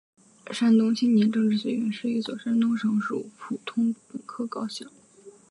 山东青年政治学院是一所山东省属普通本科高校。